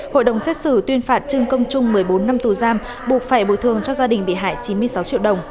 hội đồng xét xử tuyên phạt trương công trung một mươi bốn năm tù giam buộc phải bồi thường cho gia đình bị hại chín mươi sáu triệu đồng